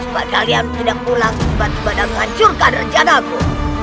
supaya kalian tidak pulang sebab bantuan hancurkan rencanaku